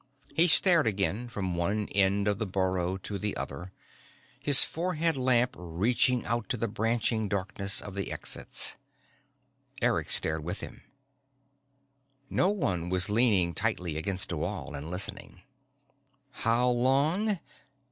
He stared again from one end of the burrow to the other, his forehead lamp reaching out to the branching darkness of the exits. Eric stared with him. No one was leaning tightly against a wall and listening. "How long?